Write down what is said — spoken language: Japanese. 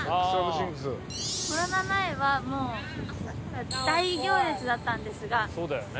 コロナ前はもう大行列だったんですが。